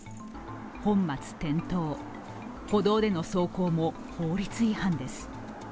本末転倒、歩道での走行も法律違反です。